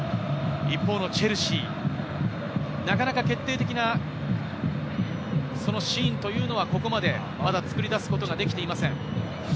一方のチェルシー、なかなか決定的なシーンというのはここまで、まだ作り出すことができていません。